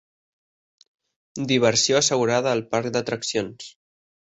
Diversió assegurada al parc d'atraccions.